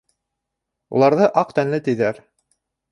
Уларҙы аҡ тәнле тиҙәр.